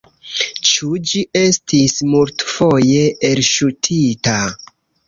Ĉu ĝi estis multfoje elŝutita?